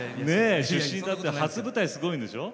だって初舞台すごいんでしょ？